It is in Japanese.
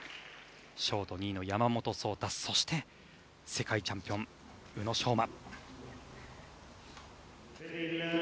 ショート２位の山本草太そして、世界チャンピオン宇野昌磨。